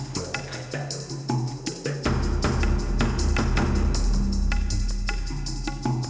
gak ada pasangan sekarang kan